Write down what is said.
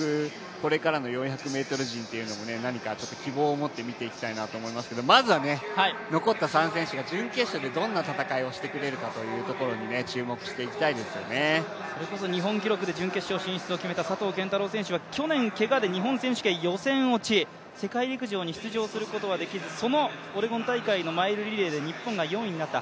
これからの４００ｍ陣っていうのも何か希望を持って見ていきたいなと思いますけどまずはね残った３選手が準決勝でどんな戦いをしてくれるのかというところにねそれこそ日本記録で準決勝進出を決めた佐藤拳太郎選手は去年、けがで日本選手権予選落ち、世界陸上に出場することはできずそのオレゴン大会のマイルリレーで日本が４位になった。